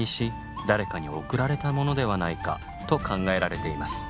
誰かに贈られたものではないかと考えられています。